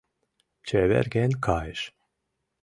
Чеверген кайыш.